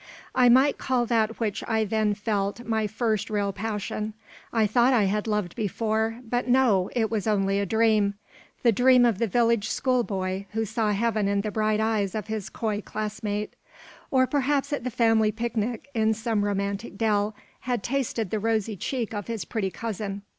I might call that which I then felt my first real passion. I thought I had loved before, but no, it was only a dream; the dream of the village schoolboy, who saw heaven in the bright eyes of his coy class mate; or perhaps at the family picnic, in some romantic dell, had tasted the rosy cheek of his pretty cousin.